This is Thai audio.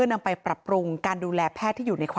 เวรเมร๔นะครับที่ทุก๔วัน